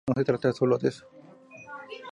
No se trata sólo de eso".